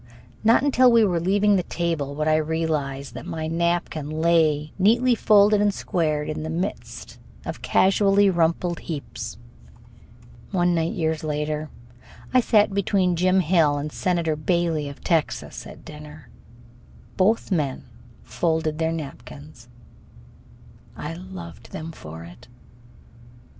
Not until we were leaving the table would I realize that my napkin lay neatly folded and squared in the midst of casually rumpled heaps. One night, years later, I sat between Jim Hill and Senator Bailey of Texas at a dinner. Both men folded their napkins. I loved them for it.